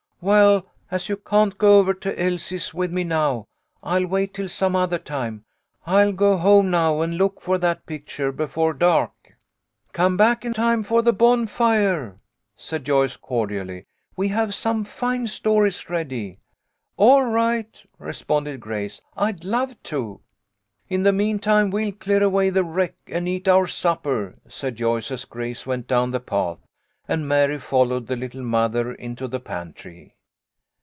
"Well, as you can't go over to Elsie's with me now, I'll wait till some other time. I'll go home now and look for that picture before dark." " Come back in time for the bonfire," said Joyce cordially. " We have some fine stories ready." " All right," responded Grace. " I'd love to." " In the meantime we'll clear away the wreck, and eat our supper," said Joyce, as Grace went down the path and Mary followed the little mother into the pantry.